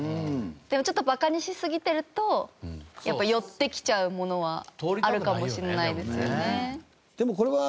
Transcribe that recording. でもちょっとバカにしすぎてるとやっぱ寄ってきちゃうものはあるかもしれないですよね。